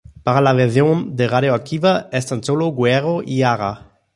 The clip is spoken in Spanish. Para la versión de "Radioactiva", están solo Guerrero y Jara.